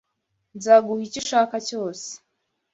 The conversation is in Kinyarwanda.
Nzaguha icyo ushaka cyose.